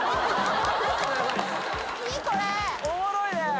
おもろいね！